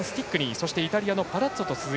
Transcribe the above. そしてイタリアのパラッツォ。